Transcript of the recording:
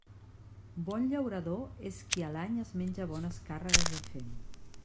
Bon llaurador és qui a l'any es menja bones càrregues de fem.